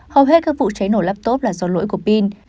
hầu hết các vụ cháy nổ laptop là do lỗi của pin